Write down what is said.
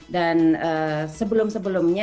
dan sebelum sebelumnya ya